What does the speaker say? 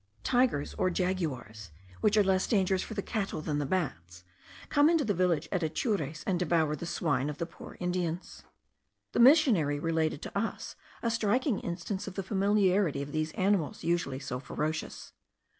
The tigers, or jaguars, which are less dangerous for the cattle than the bats, come into the village at Atures, and devour the swine of the poor Indians. The missionary related to us a striking instance of the familiarity of these animals, usually so ferocious.